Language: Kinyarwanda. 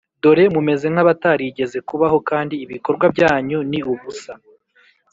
Dore mumeze nk’abatarigeze kubaho kandi ibikorwa byanyu ni ubusa